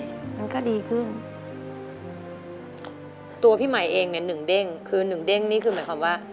มันก็ดีขึ้นตัวพี่ใหม่เองเนี่ยหนึ่งเด้งคือหนึ่งเด้งนี่คือหมายความว่า